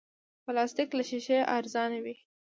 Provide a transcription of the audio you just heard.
پلاستيک له شیشې ارزانه وي.